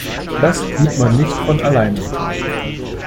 Das tut man nicht von alleine.